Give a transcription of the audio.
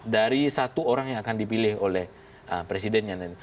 dari satu orang yang akan dipilih oleh presidennya